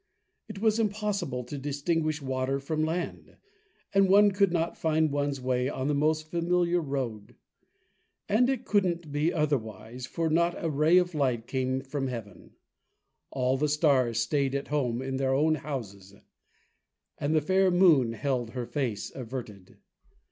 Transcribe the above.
It was impossible to distinguish water from land, and one could not find one's way on the most familiar road. And it couldn't be otherwise, for not a ray of light came from heaven. All the stars stayed at home in their own houses, and the fair moon held her face averted.